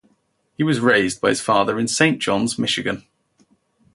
He was raised by his father in Saint Johns, Michigan.